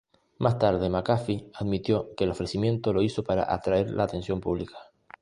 Más tarde, McAfee admitió que el ofrecimiento lo hizo para atraer la atención pública.